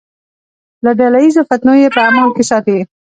له ډله ییزو فتنو یې په امان کې ساتي.